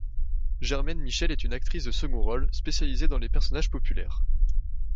Germaine Michel est une actrice de second rôle, spécialisée dans les personnages populaires.